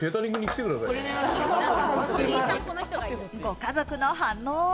ご家族の反応は。